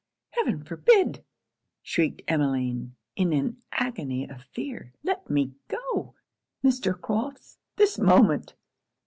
'Heaven forbid!' shrieked Emmeline, in an agony of fear. 'Let me go, Mr. Crofts, this moment.'